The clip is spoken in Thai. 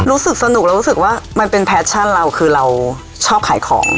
รู้สึกสนุกเรารู้สึกว่ามันเป็นแพชชั่นเราคือเราชอบขายของ